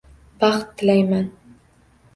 Baxt tilayman!